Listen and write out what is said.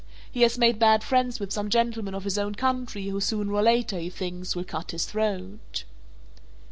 He has made bad friends with some gentleman of his own country who sooner or later, he thinks, will cut his throat."